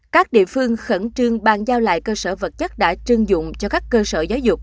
các địa phương khẩn trương bàn giao lại cơ sở vật chất đã trưng dụng cho các cơ sở giáo dục